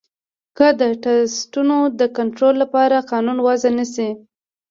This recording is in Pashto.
که د ټرسټونو د کنترول لپاره قانون وضعه نه شي.